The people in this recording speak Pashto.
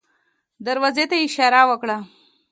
دروازې ته يې اشاره وکړه.